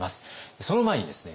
その前にですね